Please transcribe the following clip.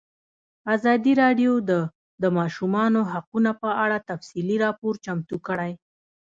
ازادي راډیو د د ماشومانو حقونه په اړه تفصیلي راپور چمتو کړی.